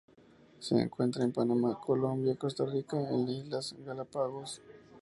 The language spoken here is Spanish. Se encuentra en Panamá, Colombia, Costa Rica e Islas Galápagos.